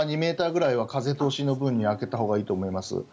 １ｍ、２ｍくらいは風通しの分に開けたほうがいいと思います。